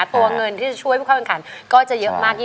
ตัวเงินที่ช่วยผู้ความขัดด้วยก็จะเยอะมากที